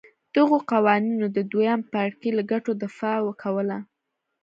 دغو قوانینو د دویم پاړکي له ګټو دفاع کوله.